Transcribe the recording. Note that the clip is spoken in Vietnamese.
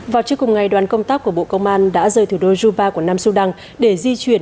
vào trước cùng ngày đoàn công tác của bộ công an đã rời thủ đô juba của nam sudan để di chuyển